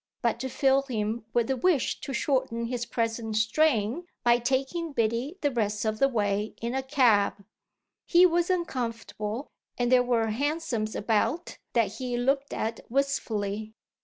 but to fill him with the wish to shorten his present strain by taking Biddy the rest of the way in a cab. He was uncomfortable, and there were hansoms about that he looked at wistfully.